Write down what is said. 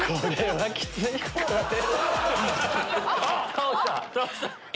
倒した！